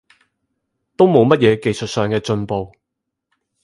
都冇乜嘢技術上嘅進步